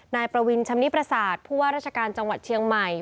นายประวินชำนิประสาทผู้ว่าราชการจังหวัดเชียงใหม่